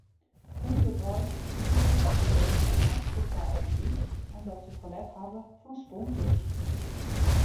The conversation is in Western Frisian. Underweis dielde de jeugd aksjekaarten út omdat se ferlet hawwe fan sponsors.